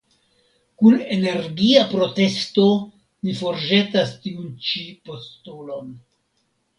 Kun energia protesto ni forĵetas tiun ĉi postulon.